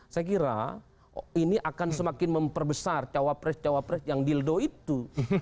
saya kira ini akan semakin memperbesar cawapres cawapres yang dildo itu